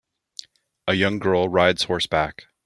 A young girl rides horseback.